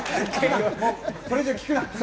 これ以上聞くな！